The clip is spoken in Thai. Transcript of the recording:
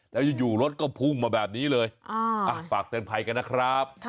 แล้วอยู่รถก็พุ่งมาแบบนี้เลยฝากเตือนภัยกันนะครับ